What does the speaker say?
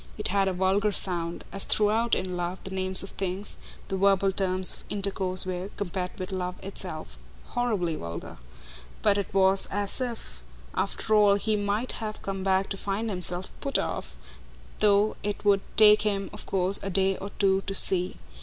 It had a vulgar sound as throughout, in love, the names of things, the verbal terms of intercourse, were, compared with love itself, horribly vulgar; but it was as if, after all, he might have come back to find himself "put off," though it would take him of course a day or two to see.